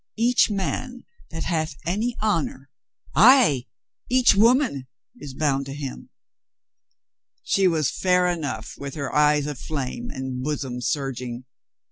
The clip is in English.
Each man that hath any honor, ay, each woman, is bound to him." She was fair enough, with her eyes aflame and bosom surging.